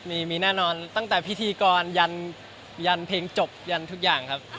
มีแน่นอนตั้งแต่พิธีกรยันยันเพลงจบยันทุกอย่างครับ